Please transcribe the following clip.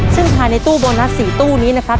ซึ่งภายในตู้โบนัส๔ตู้นี้นะครับ